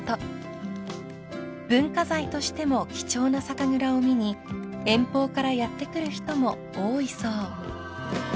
［文化財としても貴重な酒蔵を見に遠方からやって来る人も多いそう］